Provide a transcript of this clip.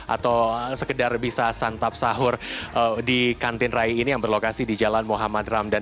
atau sekedar bisa santap sahur di kantin rai ini yang berlokasi di jalan muhammad ramdan